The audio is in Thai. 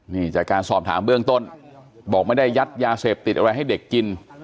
นี่จากการสอบถามเบื้องต้นบอกไม่ได้ยัดยาเสพติดอะไรให้เด็กกิน